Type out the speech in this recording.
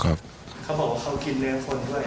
เขาบอกว่าเขากินเนื้อคนด้วย